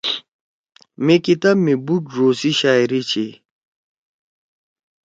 مے کتاب می بُوڑ ڙو سی شاعری چھی۔